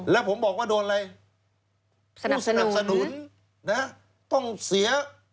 แล้วผมบอกว่าโดนอะไรสนับสนุนนะต้องเสีย